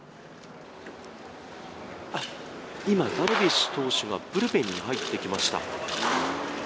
今、ダルビッシュ投手がブルペンに入ってきました。